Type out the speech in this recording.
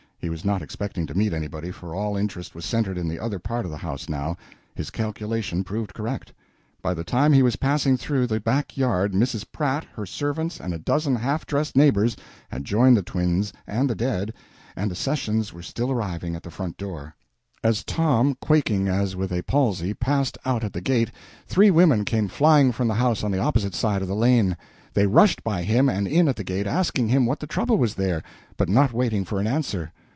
He was not expecting to meet anybody, for all interest was centered in the other part of the house, now; his calculation proved correct. By the time he was passing through the back yard, Mrs. Pratt, her servants, and a dozen half dressed neighbors had joined the twins and the dead, and accessions were still arriving at the front door. As Tom, quaking as with a palsy, passed out at the gate, three women came flying from the house on the opposite side of the lane. They rushed by him and in at the gate, asking him what the trouble was there, but not waiting for an answer.